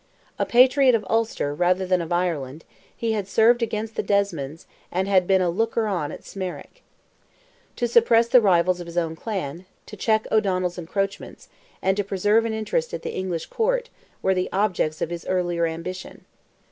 A patriot of Ulster rather than of Ireland, he had served against the Desmonds, and had been a looker on at Smerwick. To suppress rivals of his own clan, to check O'Donnell's encroachments, and to preserve an interest at the English Court, were the objects of his earlier ambition.